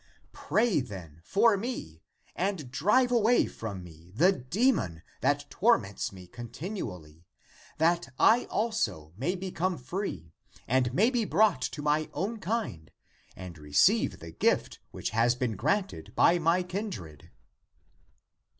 Pray, then, for me, and drive away from me the demon, that torments me continually, that I also may become free, and may be brought to my own kind, and receive the gift which has been granted to my kindred."